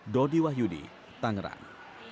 dodi wahyudi tangerang